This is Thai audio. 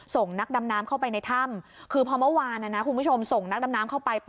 ส่งนักดำน้ำเข้าไปในถ้ำคือพอเมื่อวานนะคุณผู้ชมส่งนักดำน้ำเข้าไป